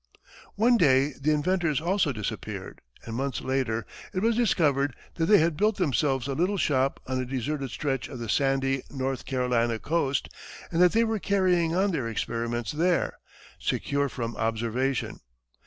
One day the inventors also disappeared, and months later it was discovered that they had built themselves a little shop on a deserted stretch of the sandy North Carolina coast, and that they were carrying on their experiments there, secure from observation.